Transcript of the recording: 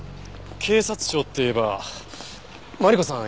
警察庁っていえばマリコさん